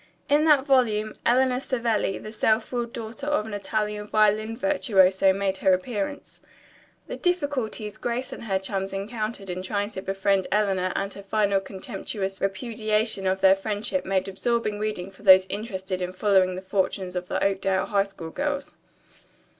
In that volume Eleanor Savelli, the self willed daughter of an Italian violin virtuoso, made her appearance. The difficulties Grace and her chums encountered in trying to befriend Eleanor and her final contemptuous repudiation of their friendship made absorbing reading for those interested in following the fortunes of the Oakdale High School girls.